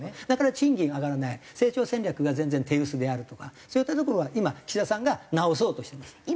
だから賃金上がらない成長戦略が全然手薄であるとかそういったところは今岸田さんが直そうとしてます。